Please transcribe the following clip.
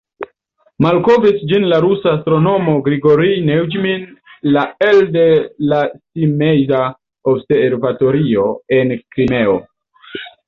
Malkovris ĝin la rusa astronomo Grigorij Neujmin la elde la Simeiza observatorio, en Krimeo.